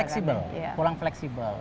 kita kurang fleksibel